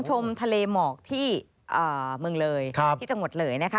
ชมทะเลหมอกที่เมืองเลยที่จังหวัดเลยนะคะ